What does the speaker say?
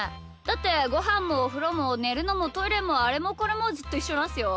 だってごはんもおふろもねるのもトイレもあれもこれもずっといっしょなんすよ。